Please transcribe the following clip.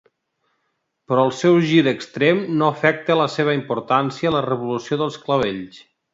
Però el seu gir extrem no afecta a la seva importància a la Revolució dels Clavells.